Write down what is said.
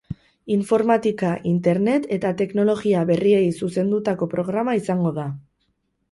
Informatika, internet eta teknologia berriei zuzendutako programa izango da.